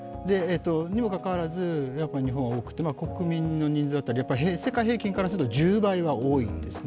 にもかかわらず日本は多くて国民の人数当たり、世界平均からすると１０倍以上は多いんですね。